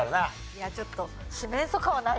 いやちょっと。